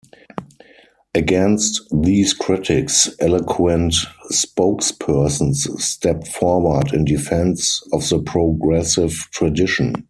Against these critics eloquent spokespersons stepped forward in defense of the progressive tradition.